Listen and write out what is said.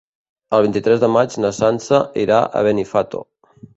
El vint-i-tres de maig na Sança irà a Benifato.